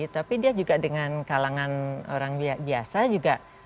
tapi dia juga dengan kalangan orang biasa juga